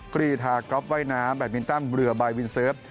กรีธาก๊อฟว่ายน้ำแบตมินตันเรือบายวินเซิร์ฟ